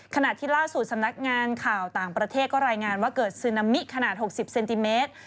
ขณะที่ล่าสุดสำนักงานข่าวต่างประเทศก็รายงานว่าเกิดซึนามิขนาด๖๐เซนติเมตร